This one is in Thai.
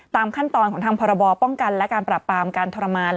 ตามขั้นตอนของทางพรบป้องกันและการปรับปรามการทรมาน